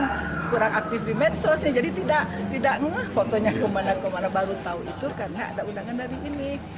tapi kan kurang aktif di medsosnya jadi tidak fotonya kemana kemana baru tahu itu karena ada undangan dari ini